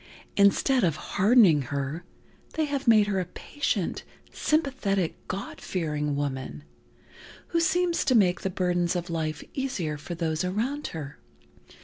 Instead of hardening her, they have made her a patient, sympathetic, God fearing woman, who seems to make the burdens of life easier for those around her.